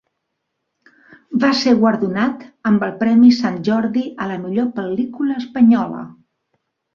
Va ser guardonat amb el Premi Sant Jordi a la millor pel·lícula espanyola.